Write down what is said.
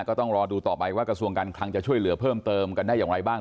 ก็ต้องรอดูต่อไปว่ากระทรวงการคลังจะช่วยเหลือเพิ่มเติมกันได้อย่างไรบ้าง